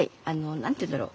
何ていうんだろう。